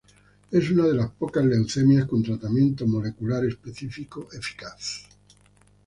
Es una de las pocas leucemias con tratamiento molecular específico eficaz.